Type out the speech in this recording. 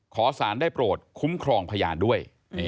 ขอสารได้โปรดคุ้มครองพยานด้วย